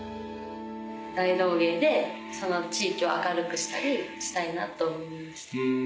大道芸でその地域を明るくしたいなと思いました。